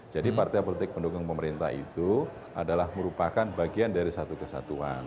jadi partai politik pendukung pemerintah itu adalah merupakan bagian dari satu kesatuan